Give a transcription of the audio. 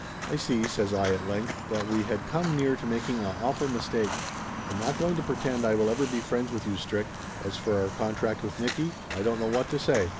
"I see," says I at length, "that we had come near to making a awful mistake. I'm not going to pretend I will ever be friends with you, Strick. As for our contract with Nicky, I don't know what to say.